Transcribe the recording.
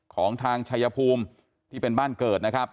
ของทางชายภูมิที่เป็นบ้านเกิดนะครับ